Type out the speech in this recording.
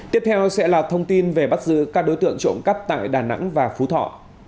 tiếp theo sẽ là thông tin về bắt giữ các đối tượng trộm cắp tại đà nẵng và phú thọ